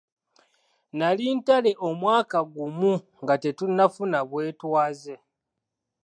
Nali Ntale omwaka gumu nga tetunnafuna bwetwaze